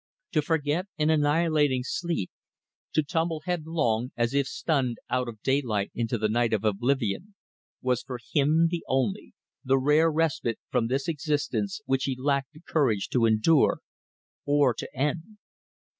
To forget in annihilating sleep; to tumble headlong, as if stunned, out of daylight into the night of oblivion, was for him the only, the rare respite from this existence which he lacked the courage to endure or to end.